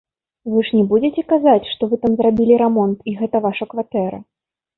Вы ж не будзеце казаць, што вы там зрабілі рамонт і гэта ваша кватэра.